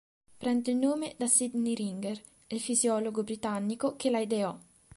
Prende il nome da Sydney Ringer, il fisiologo britannico che la ideò.